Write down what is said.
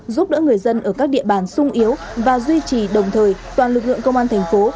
giúp đỡ người dân ở các địa bàn sung yếu và duy trì đồng thời toàn lực lượng công an thành phố